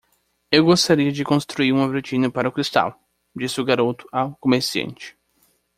"Eu gostaria de construir uma vitrine para o cristal?", disse o garoto ao comerciante.